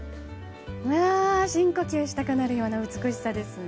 深呼吸したくなるような美しい空ですね。